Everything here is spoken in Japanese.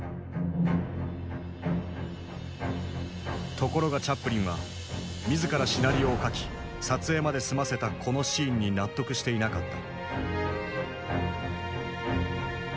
ところがチャップリンは自らシナリオを書き撮影まで済ませたこのシーンに納得していなかった。